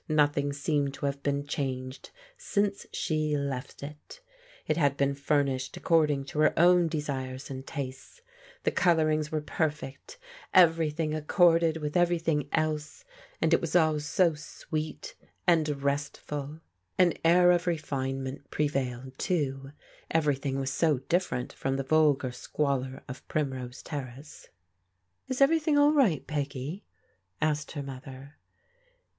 Nothing seemed to have been changed since she left it. It had been furnished accord ing to her own desires and tastes. The colourings were perfect, everything accorded with everything else, and it ,was all so sweet and tesXivJL. Kaa. ^vc ^1 x^£is^.<^scLeQt pre PEGGY'S BETRAYAL 331 vailed, too. Everything was so different from the vulgaij squalor of Primrose Terrace, " Is everything all right, Peggy? " asked her mother.